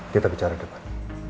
kita bicara depan